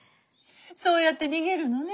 そうやって逃げるのね。